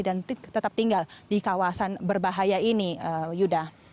dan tetap tinggal di kawasan berbahaya ini yuda